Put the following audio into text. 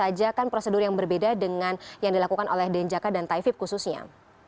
apa saja kan prosedur yang berbeda dengan yang dilakukan oleh denjaka dan taifib khususnya